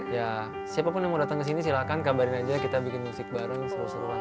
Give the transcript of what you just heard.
ya siapa pun yang mau datang kesini silahkan kabarin aja kita bikin musik bareng seru seruan